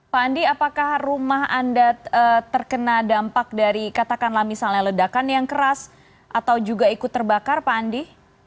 pak andi apakah rumah anda terkena dampak dari katakanlah misalnya ledakan yang keras atau juga ikut terbakar pak andi